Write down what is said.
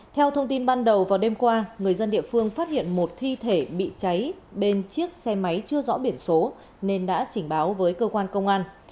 theo thông tin ban đầu vào đêm qua người dân địa phương phát hiện một thi thể bị cháy bên chiếc xe máy chưa rõ biển số nên đã chỉnh báo với cơ quan công an